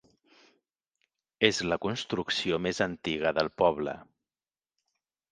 És la construcció més antiga del poble.